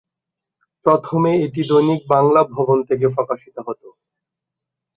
প্রথমে এটি দৈনিক বাংলা ভবন থেকে প্রকাশিত হতো।